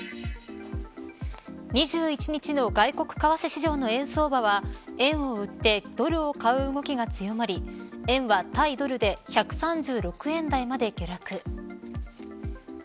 ２１日の外国為替市場の円相場は円を売ってドルを買う動きが強まり円は対ドルで１３６円台まで下落。